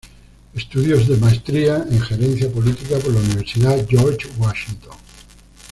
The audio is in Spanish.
Estudios de Maestría en Gerencia Política por la Universidad George Washington.